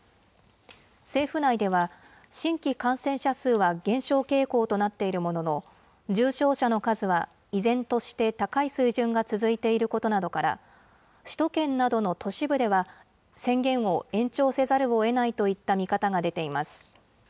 政府内では、新規感染者数は減少傾向となっているものの、重症者の数は依然として高い水準が続いていることなどから、首都圏などの都市部では、宣言を延長せざるをえないといった見方が出ています。